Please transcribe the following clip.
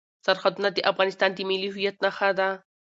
سرحدونه د افغانستان د ملي هویت نښه ده.